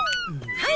はい！